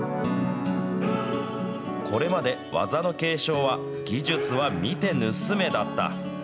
これまで、技の継承は、技術は見て盗めだった。